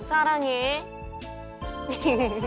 フフフフフ。